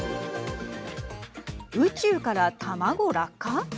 宇宙から卵、落下。